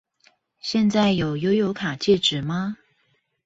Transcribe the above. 現在有悠遊卡戒指嗎？